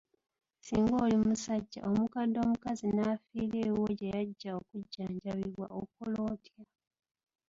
Singa oli musajja, omukadde omukazi n'afiira ewuwo gye yajja okujjanjabibwa okola otya?